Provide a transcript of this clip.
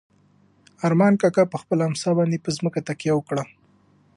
ارمان کاکا په خپله امسا باندې پر ځمکه تکیه وکړه.